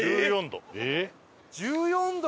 １４度！？